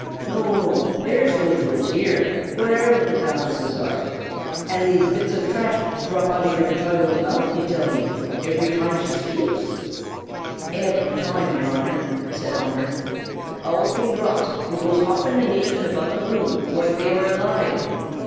No! no! there's no jew'ls here, wheriver the Countess's are. An' these bits o' trash dhrop out o' the choild's mouth, ye till me, ivery toime she shpakes?" "Ivery toime, yer Anner!" said Honor. "Out they dhrops, an' goes hoppin' an' leppin' about the room, loike they were aloive."